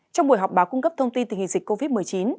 trong buổi họp báo cung cấp thông tin tình hình dịch covid một mươi chín